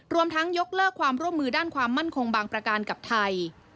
รวมทั้งยกเลิกความร่วมมือด้านความมั่นคงบางประการกับไทย